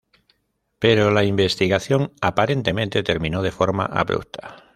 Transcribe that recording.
Pero la investigación aparentemente terminó de forma abrupta.